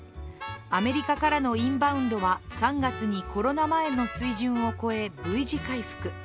アメリカからのインバウンドは３月にコロナ前の水準を超え、Ｖ字回復。